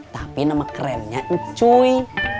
tapi nama kerennya ucuy